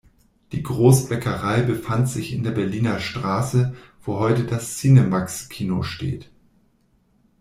Die Großbäckerei befand sich in der Berliner Straße, wo heute das Cinemaxx-Kino steht.